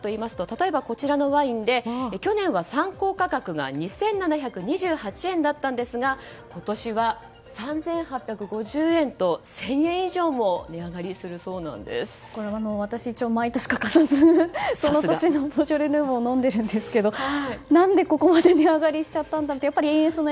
例えばこちらのワインで去年は参考価格が２７２８円だったんですが今年は３８５０円と１０００円以上も私は毎年欠かさずその年のボジョレー・ヌーボーを飲んでいるんですが何でここまで値上がりしたんだって。